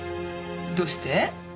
どうして？